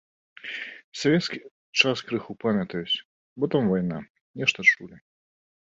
Савецкі час крыху памятаюць, бо там вайна, нешта чулі.